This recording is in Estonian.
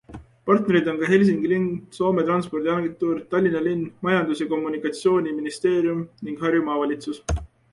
Partnerid on ka Helsingi linn, Soome Transpordiagentuur, Tallinna linn, Majandus- ja Kommunikatsiooniministeerium ning Harju Maavalitsus.